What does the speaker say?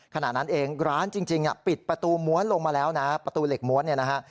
ขณะนั้นเองร้านจริงปิดประตูม้วนลงมาแล้วนะประตูเหล็กม้วนเนี่ยนะฮะ